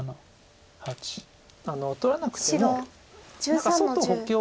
取らなくても何か外補強。